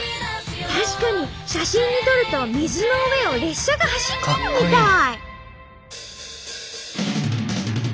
確かに写真に撮ると水の上を列車が走ってるみたい！